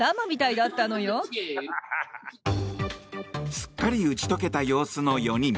すっかり打ち解けた様子の４人。